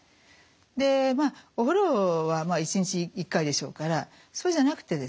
でまあお風呂は一日１回でしょうからそうじゃなくてですね